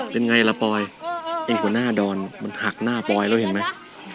เป็นไงล่ะปอยไอ้หัวหน้าดอนมันหักหน้าปอยแล้วเห็นไหม